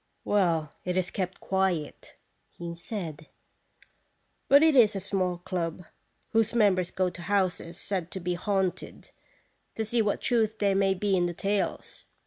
" Well, it is kept quiet," he said ; "but it is a small club, whose members go to houses said to be haunted, to see what truth there may be in the tales.